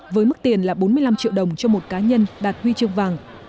với mức tiền là bốn mươi năm triệu đồng cho một cá nhân đạt huy chương vàng